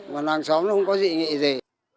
mà làng xóm nó không có dị nghị gì